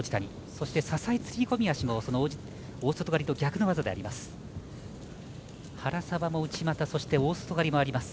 そして、支え釣り込み足も大外刈りと逆の技であります。